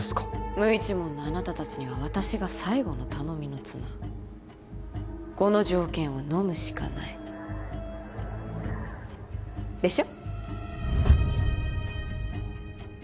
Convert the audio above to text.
無一文のあなた達には私が最後の頼みの綱この条件をのむしかないでしょ？